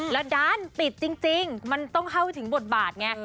แล้วด้านปิดจริงมันต้องเข้าถึงบทบาทไง